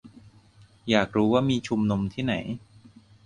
อยากรู้ว่ามีชุมนุมที่ไหน